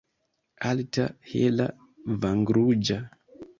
Alta, hela, vangruĝa.